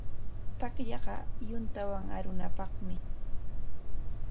Takllaqa yuntawan arunapaqmi.